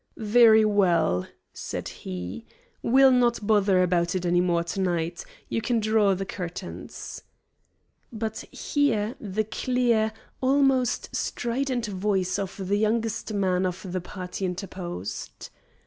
"Very well," said he, "we'll not bother about it any more to night; you may draw the curtains." But here the clear, almost strident voice of the youngest man of the party interposed.